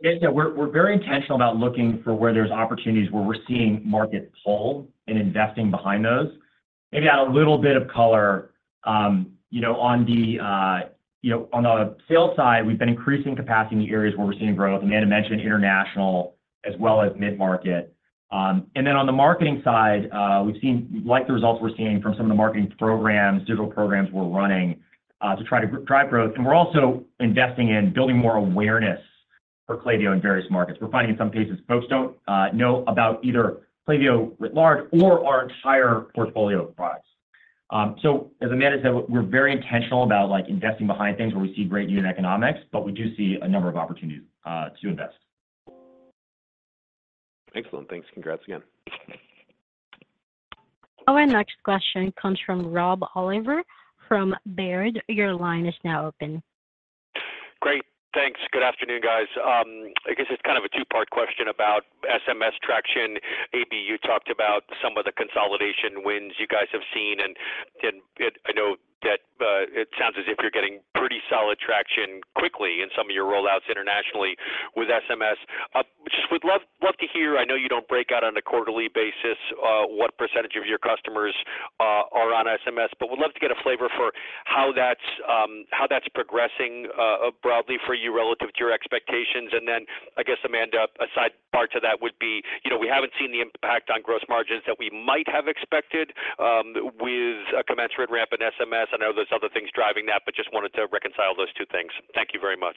yeah, we're, we're very intentional about looking for where there's opportunities, where we're seeing market pull and investing behind those. Maybe add a little bit of color, you know, on the sales side, we've been increasing capacity in the areas where we're seeing growth. Amanda mentioned international as well as mid-market. And then on the marketing side, we've seen like the results we're seeing from some of the marketing programs, digital programs we're running, to try to drive growth. And we're also investing in building more awareness for Klaviyo in various markets. We're finding in some cases, folks don't know about either Klaviyo writ large or our entire portfolio of products. So as Amanda said, we're very intentional about, like, investing behind things where we see great unit economics, but we do see a number of opportunities to invest. Excellent. Thanks. Congrats again. Our next question comes from Rob Oliver from Baird. Your line is now open. Great. Thanks. Good afternoon, guys. I guess it's kind of a two-part question about SMS traction. AB, you talked about some of the consolidation wins you guys have seen, and, and I know that it sounds as if you're getting pretty solid traction quickly in some of your rollouts internationally with SMS. Just would love, love to hear, I know you don't break out on a quarterly basis, what percentage of your customers are on SMS, but would love to get a flavor for how that's progressing broadly for you relative to your expectations. And then, I guess, Amanda, a side part to that would be, you know, we haven't seen the impact on gross margins that we might have expected with a commensurate ramp in SMS. I know there's other things driving that, but just wanted to reconcile those two things. Thank you very much.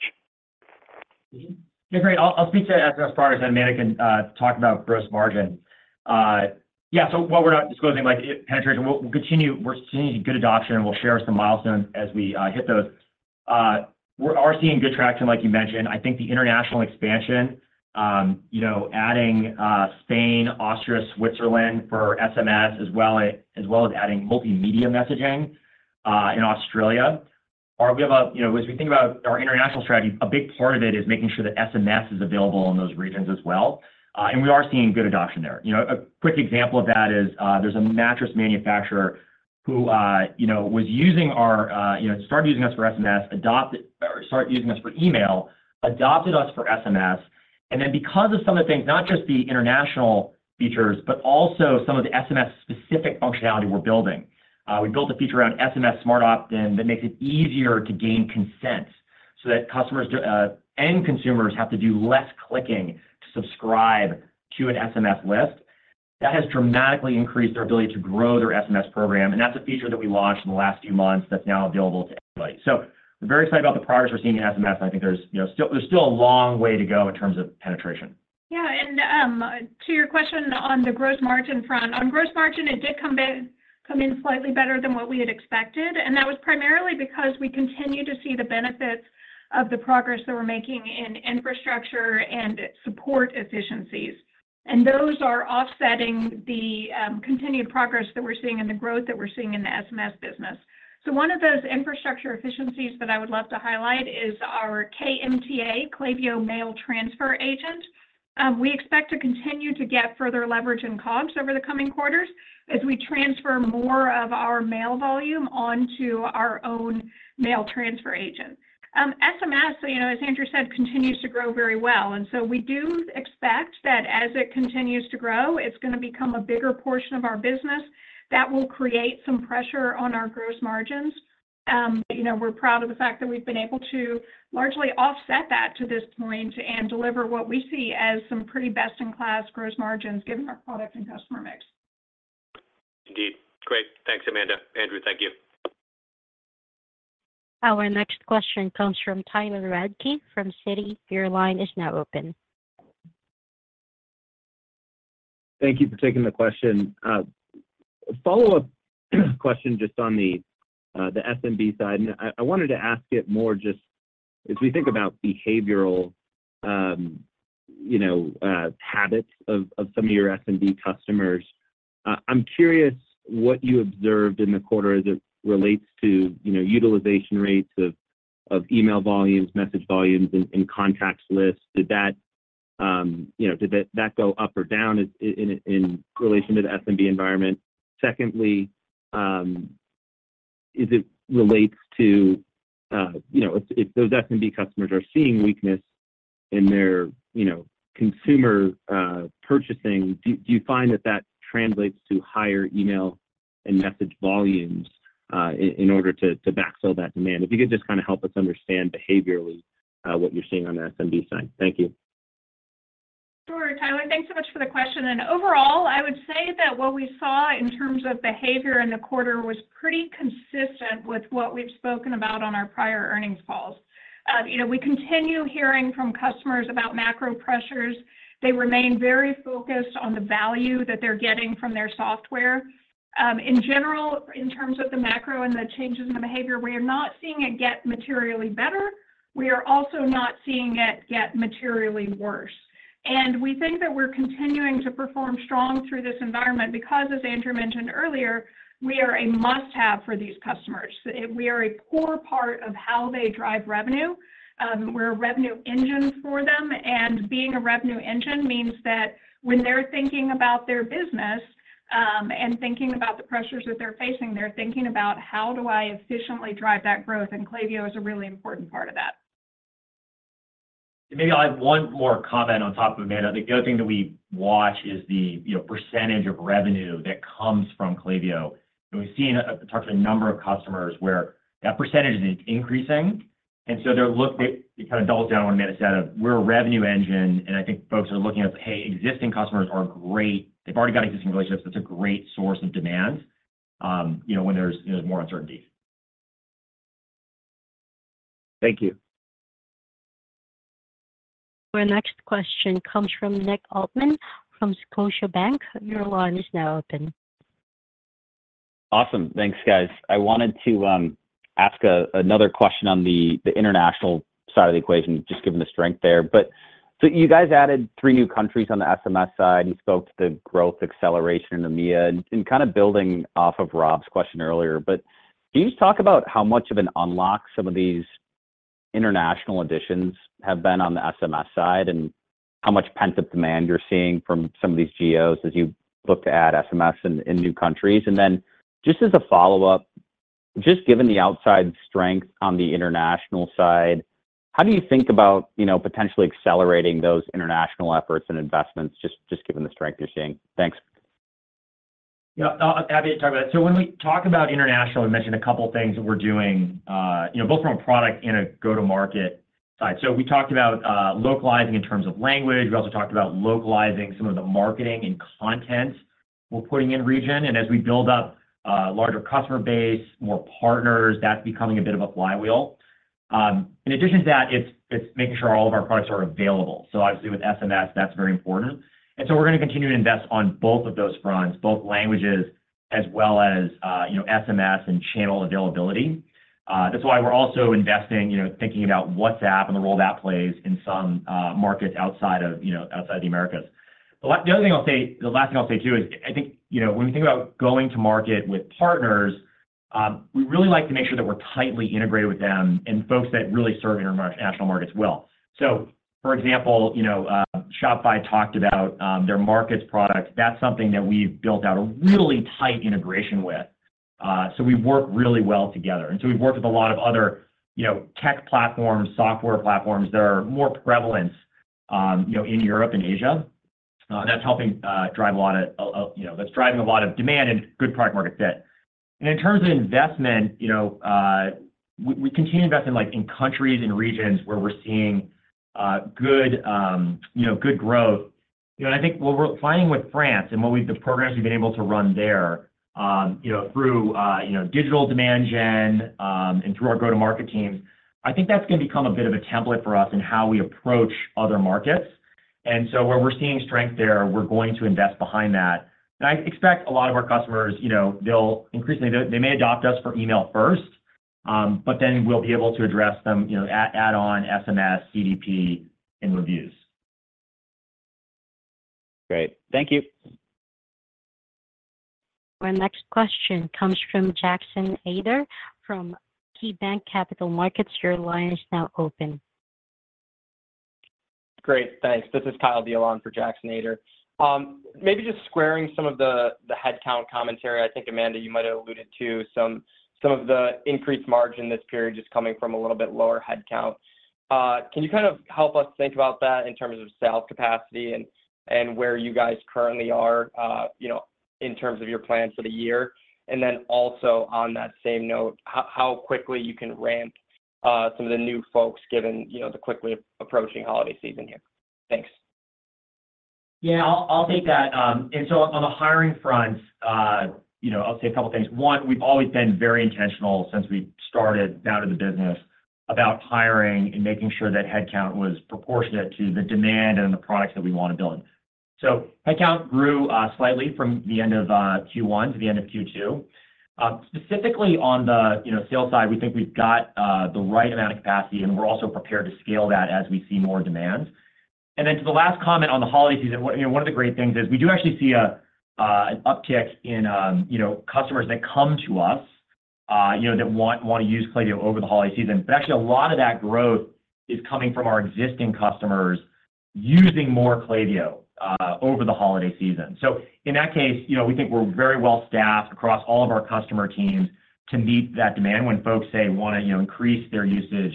Yeah, great. I'll speak to SMS progress, and Amanda can talk about gross margin. Yeah, so while we're not disclosing, like, penetration, we'll continue. We're seeing good adoption, and we'll share some milestones as we hit those. We are seeing good traction, like you mentioned. I think the international expansion, you know, adding Spain, Austria, Switzerland for SMS, as well as adding multimedia messaging in Australia. As we have a, you know, as we think about our international strategy, a big part of it is making sure that SMS is available in those regions as well, and we are seeing good adoption there. You know, a quick example of that is, there's a mattress manufacturer who, you know, was using our, you know, started using us for SMS, adopted or started using us for email, adopted us for SMS, and then because of some of the things, not just the international features, but also some of the SMS-specific functionality we're building. We built a feature around SMS Smart Opt-In that makes it easier to gain consent so that customers, end consumers have to do less clicking to subscribe to an SMS list. That has dramatically increased their ability to grow their SMS program, and that's a feature that we launched in the last few months that's now available to everybody. So we're very excited about the progress we're seeing in SMS. I think there's, you know, still, there's still a long way to go in terms of penetration. Yeah, and, to your question on the Gross Margin front. On Gross Margin, it did come back, come in slightly better than what we had expected, and that was primarily because we continue to see the benefits of the progress that we're making in infrastructure and support efficiencies. And those are offsetting the continued progress that we're seeing and the growth that we're seeing in the SMS business. So one of those infrastructure efficiencies that I would love to highlight is our KMTA, Klaviyo Mail Transfer Agent. We expect to continue to get further leverage in costs over the coming quarters as we transfer more of our mail volume onto our own mail transfer agent. SMS, you know, as Andrew said, continues to grow very well, and so we do expect that as it continues to grow, it's gonna become a bigger portion of our business. That will create some pressure on our gross margins. You know, we're proud of the fact that we've been able to largely offset that to this point and deliver what we see as some pretty best-in-class gross margins, given our product and customer mix. Indeed. Great. Thanks, Amanda. Andrew, thank you. Our next question comes from Tyler Radke from Citi. Your line is now open. Thank you for taking the question. A follow-up question just on the SMB side, and I wanted to ask it more just as we think about behavioral, you know, habits of some of your SMB customers. I'm curious what you observed in the quarter as it relates to, you know, utilization rates of email volumes, message volumes, and contact lists. Did that, you know, did that go up or down in relation to the SMB environment? Secondly, as it relates to, you know, if those SMB customers are seeing weakness in their, you know, consumer purchasing, do you find that translates to higher email and message volumes in order to backfill that demand? If you could just kinda help us understand behaviorally, what you're seeing on the SMB side? Thank you. Sure, Tyler, thanks so much for the question, and overall, I would say that what we saw in terms of behavior in the quarter was pretty consistent with what we've spoken about on our prior earnings calls. You know, we continue hearing from customers about macro pressures. They remain very focused on the value that they're getting from their software. In general, in terms of the macro and the changes in the behavior, we are not seeing it get materially better. We are also not seeing it get materially worse. And we think that we're continuing to perform strong through this environment because, as Andrew mentioned earlier, we are a must-have for these customers. We are a core part of how they drive revenue. We're a revenue engine for them, and being a revenue engine means that when they're thinking about their business, and thinking about the pressures that they're facing, they're thinking about, "How do I efficiently drive that growth?" And Klaviyo is a really important part of that. Maybe I'll add one more comment on top of Amanda. The other thing that we watch is the, you know, percentage of revenue that comes from Klaviyo. And we've seen, talked to a number of customers where that percentage is increasing, and so it kind of doubles down on what Amanda said that we're a revenue engine, and I think folks are looking at, hey, existing customers are great. They've already got existing relationships. It's a great source of demand, you know, when there's, you know, more uncertainty. Thank you. Our next question comes from Nick Altmann from Scotiabank. Your line is now open. Awesome. Thanks, guys. I wanted to ask another question on the international side of the equation, just given the strength there. But so you guys added new countries on the SMS side and spoke to the growth acceleration in the EMEA, and kind of building off of Rob's question earlier, but can you just talk about how much of an unlock some of these international additions have been on the SMS side, and how much pent-up demand you're seeing from some of these geos as you've looked to add SMS in new countries? And then, just as a follow-up, just given the outsized strength on the international side, how do you think about, you know, potentially accelerating those international efforts and investments, just given the strength you're seeing? Thanks. Yeah. I'll, I'll be happy to talk about it. So when we talk about international, we mentioned a couple of things that we're doing, you know, both from a product and a go-to-market side. So we talked about localizing in terms of language. We also talked about localizing some of the marketing and content we're putting in region, and as we build up a larger customer base, more partners, that's becoming a bit of a flywheel. In addition to that, it's making sure all of our products are available. So obviously with SMS, that's very important. And so we're gonna continue to invest on both of those fronts, both languages as well as, you know, SMS and channel availability. That's why we're also investing, you know, thinking about WhatsApp and the role that plays in some markets outside of, you know, outside the Americas. The other thing I'll say, the last thing I'll say, too, is I think, you know, when we think about going to market with partners, we really like to make sure that we're tightly integrated with them and folks that really serve international markets well. So, for example, you know, Shopify talked about their markets products. That's something that we've built out a really tight integration with, so we work really well together. And so we've worked with a lot of other, you know, tech platforms, software platforms that are more prevalent, you know, in Europe and Asia, that's driving a lot of demand and good product market fit. And in terms of investment, you know, we continue to invest in, like, in countries and regions where we're seeing good growth. You know, I think what we're finding with France and what we've the programs we've been able to run there, you know, through digital demand gen, and through our go-to-market teams, I think that's going to become a bit of a template for us in how we approach other markets. And so where we're seeing strength there, we're going to invest behind that. I expect a lot of our customers, you know, they'll increasingly... They, they may adopt us for email first, but then we'll be able to address them, you know, add, add on SMS, CDP, and Reviews. Great. Thank you!... Our next question comes from Jackson Ader from KeyBanc Capital Markets. Your line is now open. Great, thanks. This is Kyle Diehl for Jackson Ader. Maybe just squaring some of the, the headcount commentary. I think, Amanda, you might have alluded to some, some of the increased margin this period just coming from a little bit lower headcount. Can you kind of help us think about that in terms of sales capacity and, and where you guys currently are, you know, in terms of your plans for the year? And then also on that same note, how, how quickly you can ramp some of the new folks, given, you know, the quickly approaching holiday season here? Thanks. Yeah, I'll take that. And so on the hiring front, you know, I'll say a couple of things. One, we've always been very intentional since we started out of the business about hiring and making sure that headcount was proportionate to the demand and the products that we want to build. So headcount grew slightly from the end of Q1 to the end of Q2. Specifically on the sales side, you know, we think we've got the right amount of capacity, and we're also prepared to scale that as we see more demand. And then to the last comment on the holiday season, one, you know, one of the great things is we do actually see an uptick in, you know, customers that come to us, you know, that want to use Klaviyo over the holiday season. Actually a lot of that growth is coming from our existing customers using more Klaviyo over the holiday season. In that case, you know, we think we're very well staffed across all of our customer teams to meet that demand when folks, say, want to, you know, increase their usage,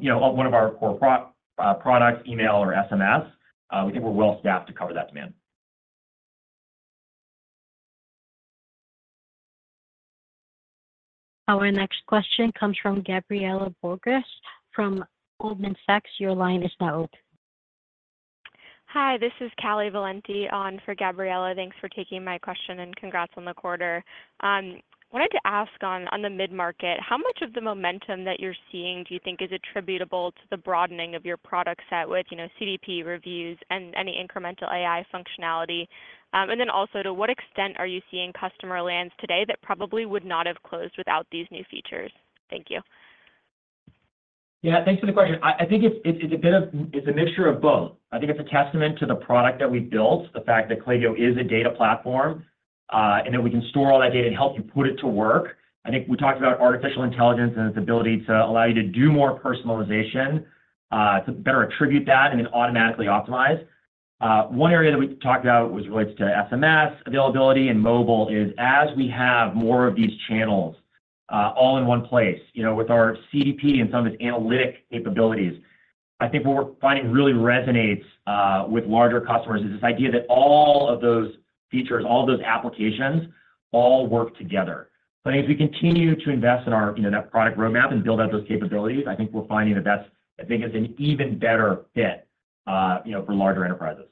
you know, of one of our core products, email or SMS, we think we're well staffed to cover that demand. Our next question comes from Gabriela Borges from Goldman Sachs. Your line is now open. Hi, this is Callie Valenti on for Gabriela. Thanks for taking my question, and congrats on the quarter. Wanted to ask on, on the mid-market, how much of the momentum that you're seeing do you think is attributable to the broadening of your product set with, you know, CDP reviews and any incremental AI functionality? And then also, to what extent are you seeing customer lands today that probably would not have closed without these new features? Thank you. Yeah, thanks for the question. I think it's a mixture of both. I think it's a testament to the product that we built, the fact that Klaviyo is a data platform, and that we can store all that data and help you put it to work. I think we talked about artificial intelligence and its ability to allow you to do more personalization, to better attribute that and then automatically optimize. One area that we talked about was related to SMS availability and mobile, as we have more of these channels, all in one place, you know, with our CDP and some of its analytic capabilities. I think what we're finding really resonates with larger customers is this idea that all of those features, all those applications, all work together. As we continue to invest in our, you know, that product roadmap and build out those capabilities, I think we're finding that that's, I think, is an even better fit, you know, for larger enterprises.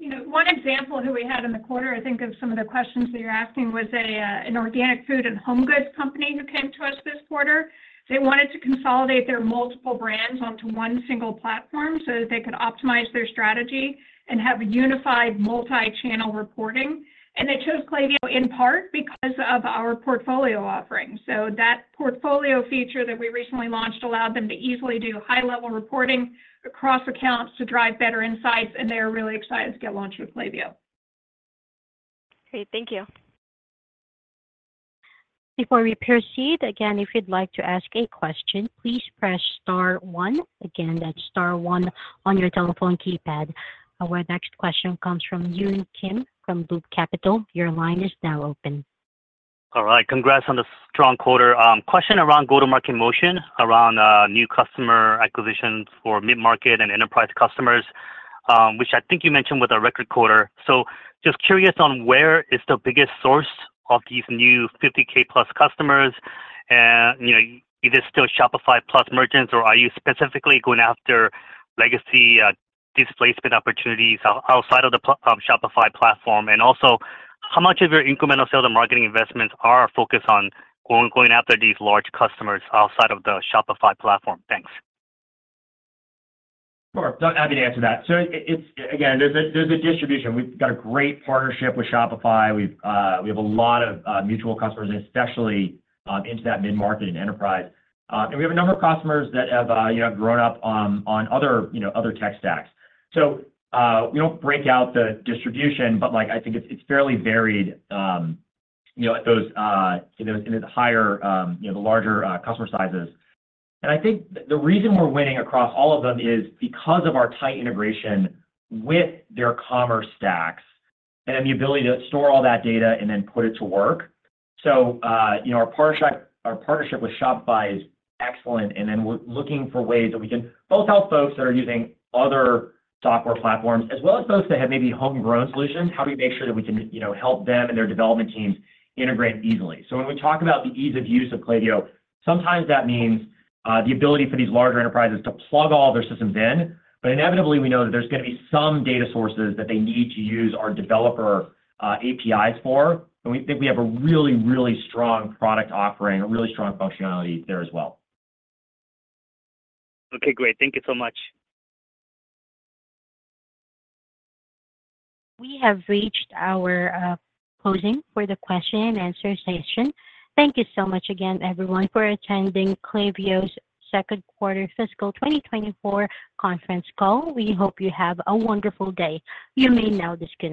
You know, one example who we had in the quarter, I think of some of the questions that you're asking, was an organic food and home goods company who came to us this quarter. They wanted to consolidate their multiple brands onto one single platform so that they could optimize their strategy and have a unified multi-channel reporting. And they chose Klaviyo, in part, because of our portfolio offerings. So that portfolio feature that we recently launched allowed them to easily do high-level reporting across accounts to drive better insights, and they are really excited to get launched with Klaviyo. Great, thank you. Before we proceed, again, if you'd like to ask a question, please press star one. Again, that's star one on your telephone keypad. Our next question comes from Yun Kim from Loop Capital. Your line is now open. All right. Congrats on the strong quarter. Question around go-to-market motion, around new customer acquisitions for mid-market and enterprise customers, which I think you mentioned with a record quarter. So just curious on where is the biggest source of these new 50K plus customers, and, you know, is it still Shopify Plus merchants, or are you specifically going after legacy displacement opportunities outside of the Shopify platform? And also, how much of your incremental sales and marketing investments are focused on going after these large customers outside of the Shopify platform? Thanks. Sure. Happy to answer that. So it's. Again, there's a distribution. We've got a great partnership with Shopify. We have a lot of mutual customers, especially into that mid-market and enterprise. And we have a number of customers that have you know, grown up on other you know, other tech stacks. So we don't break out the distribution, but like, I think it's fairly varied you know at those in those in the higher you know the larger customer sizes. And I think the reason we're winning across all of them is because of our tight integration with their commerce stacks and the ability to store all that data and then put it to work. So, you know, our partnership, our partnership with Shopify is excellent, and then we're looking for ways that we can both help folks that are using other software platforms, as well as those that have maybe homegrown solutions, how do we make sure that we can, you know, help them and their development teams integrate easily? So when we talk about the ease of use of Klaviyo, sometimes that means the ability for these larger enterprises to plug all their systems in. But inevitably, we know that there's gonna be some data sources that they need to use our developer APIs for, and we think we have a really, really strong product offering, a really strong functionality there as well. Okay, great. Thank you so much. We have reached our closing for the question and answer session. Thank you so much again, everyone, for attending Klaviyo's second quarter fiscal 2024 conference call. We hope you have a wonderful day. You may now disconnect.